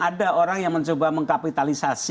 ada orang yang mencoba mengkapitalisasi